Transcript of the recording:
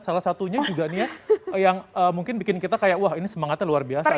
salah satunya juga nih ya yang mungkin bikin kita kayak wah ini semangatnya luar biasa ya